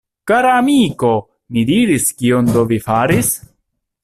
Kara amiko! mi diris, kion do vi faris!?